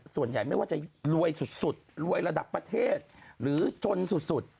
ส่วนใหญ่ไม่ว่าจะรวยสุดรวยระดับประเทศหรือจนสุด